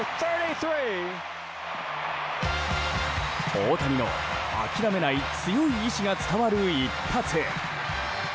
大谷の諦めない強い意志が伝わる一発！